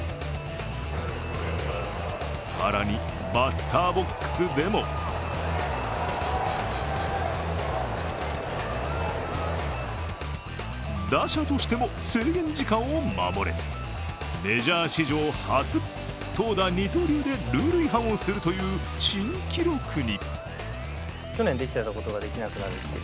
更にバッターボックスでも打者としても制限時間を守れず、メジャー史上初、投打二刀流でルール違反をするという珍記録に。